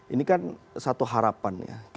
ini kan satu harapan